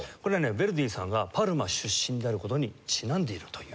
ヴェルディさんがパルマ出身である事にちなんでいるという。